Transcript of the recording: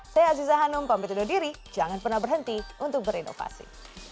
saya aziza hanum pamit undur diri jangan pernah berhenti untuk berinovasi